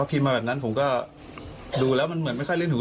พอพิมพ์มาแบบนั้นผมก็ดูแล้วมันเหมือนไม่ค่อยเรื่องถูก